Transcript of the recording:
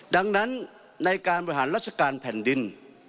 ดังนั้นในการบริหารราชการแผ่นดิน